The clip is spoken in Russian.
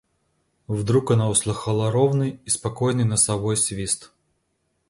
Вдруг она услыхала ровный и спокойный носовой свист.